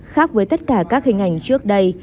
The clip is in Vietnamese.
khác với tất cả các hình ảnh trước đây